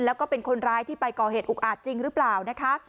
แล้วก็เป็นคนร้ายที่ไปก่อเหตุอุกอาจจริงหรือเปล่านะคะ